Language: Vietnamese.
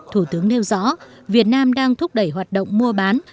thủ tướng nêu rõ việt nam đang thúc đẩy hoạt động mua bán